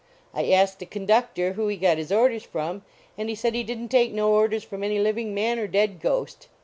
I asked a conductor who he got his orders from, and he said he didn t take no orders from any living man or dead ghost.